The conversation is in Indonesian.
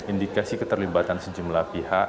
indikasi keterlibatan sejumlah pihak